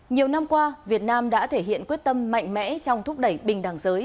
nhiều năm qua việt nam đã thể hiện quyết tâm mạnh mẽ trong thúc đẩy bình đẳng giới